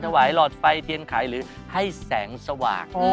ถวายหลอดไฟเทียนไขหรือให้แสงสว่าง